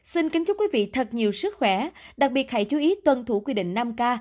xin kính chúc quý vị thật nhiều sức khỏe đặc biệt hãy chú ý tuân thủ quy định năm k